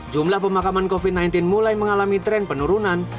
jumlah pemakaman covid sembilan belas mulai mengalami tren penurunan